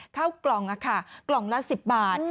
ข้าวกล่องกล่องละ๑๐บาท